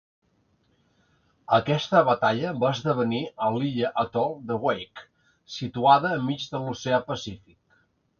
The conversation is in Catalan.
Aquesta batalla va esdevenir a l'illa atol de Wake, situada enmig de l'Oceà Pacífic.